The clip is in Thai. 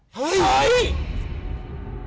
เฮ้ย